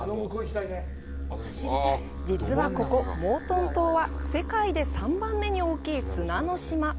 実はここモートン島は世界で３番目に大きい砂の島。